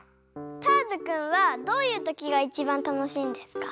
ターズくんはどういうときがいちばんたのしいんですか？